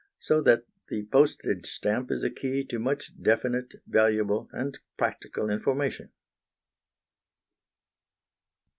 So that the postage stamp is a key to much definite, valuable, and practical information.